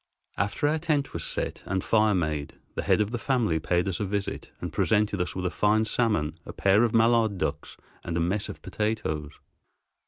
After our tent was set and fire made, the head of the family paid us a visit and presented us with a fine salmon, a pair of mallard ducks, and a mess of potatoes.